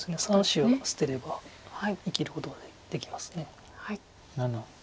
３子を捨てれば生きることができます。